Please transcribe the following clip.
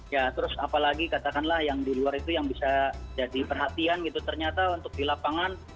ya terus apalagi katakanlah yang di luar itu yang bisa jadi perhatian gitu ternyata untuk di lapangan